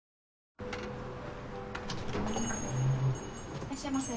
いらっしゃいませ。